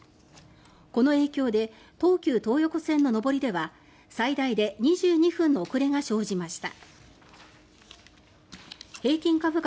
この影響で東急東横線の上りでは最大で２２分の遅れが生じました。